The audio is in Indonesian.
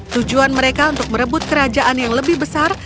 tujuan mereka untuk merebut kerajaan yang lebih besar